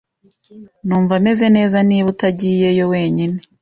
Numva meze neza niba utagiyeyo wenyine.